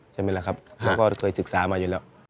ใช่ไหมล่ะครับเราก็เคยศึกษามาอยู่แล้ว